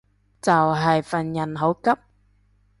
就係份人好急